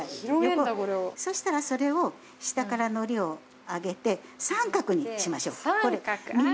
そしたらそれを下からのりを上げて三角にしましょう。